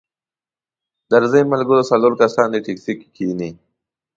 درځئ ملګرو څلور کسان دې ټیکسي کې کښینئ.